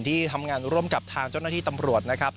ที่ทำงานร่วมกับทางเจ้าหน้าที่ตำรวจนะครับ